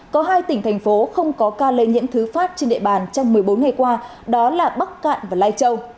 có hai tỉnh thành phố không có ca lây nhiễm thứ phát trên địa bàn trong một mươi bốn ngày qua đó là bắc cạn và lai châu